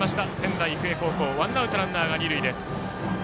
仙台育英高校ワンアウト、ランナー、二塁。